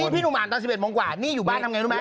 พี่หนุ่มอ่านตอน๑๑โมงกว่านี่อยู่บ้านทำไงรู้ไหม